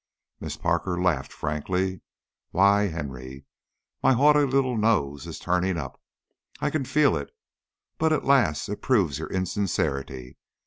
Miss Parker laughed frankly. "Why, Henry! My haughty little nose is turning up I can feel it. But, alas! it proves your insincerity.